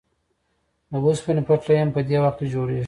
د اوسپنې پټلۍ هم په دې وخت کې جوړېږي